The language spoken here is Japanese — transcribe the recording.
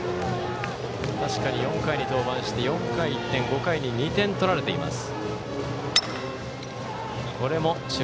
４回に登板して４回に１点、５回に２点取られています。